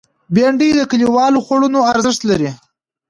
بېنډۍ د کلیوالو خوړونو ارزښت لري